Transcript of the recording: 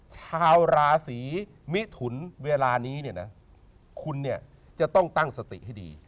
ชาวราศีมิถุนเวลานี้เนี่ยนะคุณเนี่ยจะต้องตั้งสติให้ดี